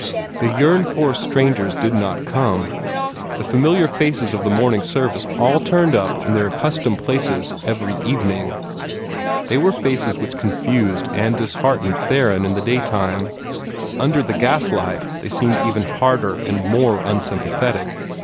The yearned for strangers did not come; the familiar faces of the morning service all turned up in their accustomed places every evening. They were faces which confused and disheartened Theron in the daytime. Under the gaslight they seemed even harder and more unsympathetic.